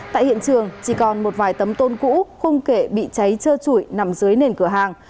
tại hiện trường chỉ còn một vài tấm tôn cũ không kể bị cháy trơ trụi nằm dưới nền cửa hàng